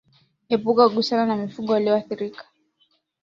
Epuka kugusana na mifugo walioathirika